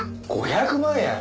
５００万円！？